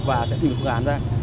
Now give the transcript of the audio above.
và sẽ tìm phương án ra